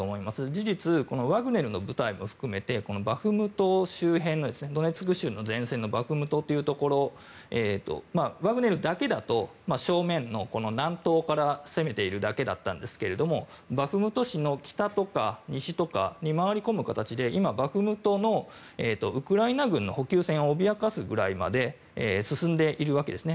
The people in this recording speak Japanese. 事実、ワグネルの部隊も含めてドネツク州の前線のバフムトというところワグネルだけだと正面の南東から攻めているだけだったんですけれどもバフムト市の北とか西とかに回り込む形で今、バフムトのウクライナ軍の補給線を脅かすぐらいまで進んでいるわけですね。